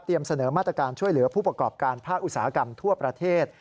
เสนอมาตรการช่วยเหลือผู้ประกอบการภาคอุตสาหกรรมทั่วประเทศ